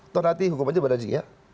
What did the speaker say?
tuh nanti hukum aja berada di sini ya